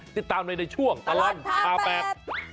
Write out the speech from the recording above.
ติดตามในช่วงตลอดภาพแปด